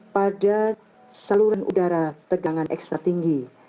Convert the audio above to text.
pada saluran udara tegangan ekstra tinggi